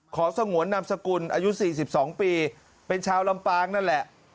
สงวนนามสกุลอายุ๔๒ปีเป็นชาวลำปางนั่นแหละ